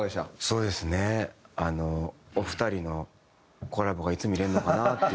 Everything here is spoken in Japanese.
そうですねお二人のコラボがいつ見れるのかな？っていう。